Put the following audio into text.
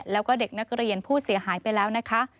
แล้วก็เด็กนักเรียนผู้เสียหายไปแล้วนะคะ